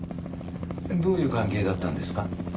どういう関係だったんですか？